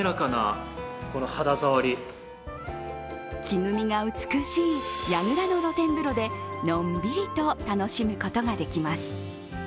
木組みが美しいやぐらの露天風呂でのんびりと楽しむことができます。